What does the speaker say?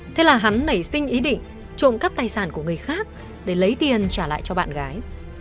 thế là hắn nảy sinh ý định trộm cắp tài sản của người khác để lấy tiền trả lại cho bạn gái